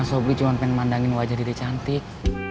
a sobri cuma pengen mandangin wajah dede cantik